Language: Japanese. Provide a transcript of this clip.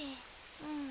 うん。